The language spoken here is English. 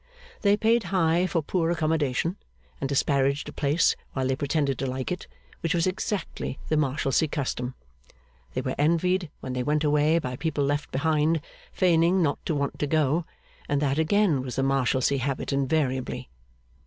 They paid high for poor accommodation, and disparaged a place while they pretended to like it: which was exactly the Marshalsea custom. They were envied when they went away by people left behind, feigning not to want to go: and that again was the Marshalsea habit invariably.